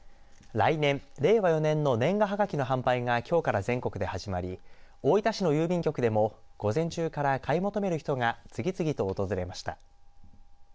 来年、令和４年の年賀はがきの販売がきょうから全国で始まり大分市の郵便局でも午前中から買い求める人が次々と訪れました。